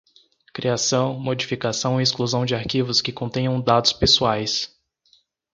Criação, modificação e exclusão de arquivos que contenham dados pessoais.